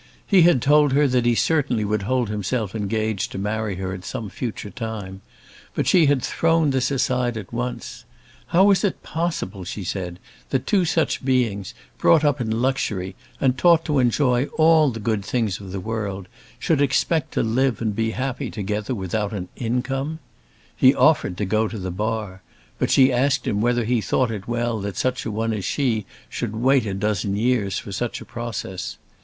He had told her that he certainly would hold himself engaged to marry her at some future time; but she had thrown this aside at once. How was it possible, she said, that two such beings, brought up in luxury, and taught to enjoy all the good things of the world, should expect to live and be happy together without an income? He offered to go to the bar; but she asked him whether he thought it well that such a one as she should wait say a dozen years for such a process.